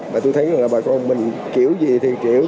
và tôi thấy là bà con mình kiểu gì thì kiểu